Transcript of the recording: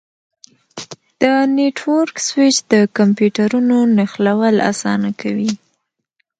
د نیټورک سویچ د کمپیوټرونو نښلول اسانه کوي.